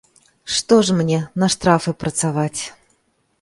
Што ж мне, на штрафы працаваць.